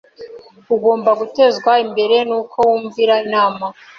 ugomba gutezwa imbere nuko wumvira imana